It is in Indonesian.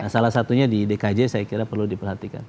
salah satunya di dkj saya kira perlu diperhatikan